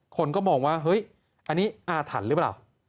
คนก็มองว่าเฮ้ยอันนี้อาถรรพ์หรือเปล่า